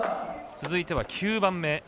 続いては９番目。